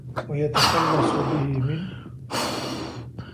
وَيَتَخَلَّصُ بِهِ مِنْ